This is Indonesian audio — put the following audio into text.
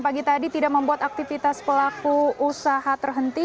pagi tadi tidak membuat aktivitas pelaku usaha terhenti